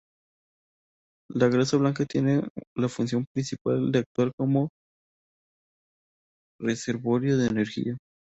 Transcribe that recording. La grasa blanca tiene la función principal de actuar como reservorio de energía.